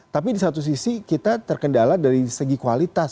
tapi di satu sisi kita terkendala dari segi kualitas